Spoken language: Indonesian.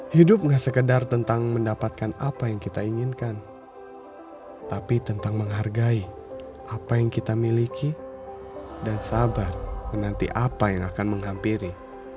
hidup gak sekedar tentang mendapatkan apa yang kita inginkan tapi tentang menghargai apa yang kita miliki dan sabar menanti apa yang akan menghampiri